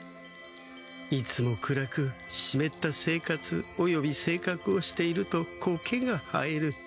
いつも暗くしめった生活およびせいかくをしているとコケが生える。